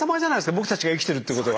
僕たちが生きてるってことは。